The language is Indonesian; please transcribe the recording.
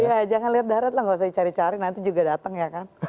iya jangan lihat darat lah nggak usah dicari cari nanti juga datang ya kan